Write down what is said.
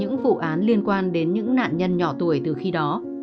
những vụ án liên quan đến những nạn nhân nhỏ tuổi từ khi đó